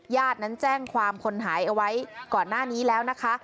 นั้นแจ้งความคนหายเอาไว้ก่อนหน้านี้แล้วนะคะ